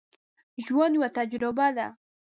ژوند یوه تجربه ده